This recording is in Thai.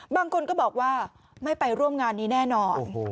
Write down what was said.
บางคนก็บอกว่าไม่ไปร่วมงานนี้แน่นอน